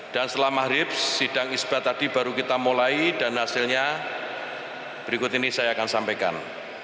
dan setelah mahrif sidang isbat tadi baru kita mulai dan hasilnya berikut ini saya akan sampaikan